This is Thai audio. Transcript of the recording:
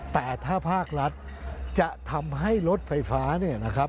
แต่ถ้าภาครัฐจะทำให้รถไฟฟ้า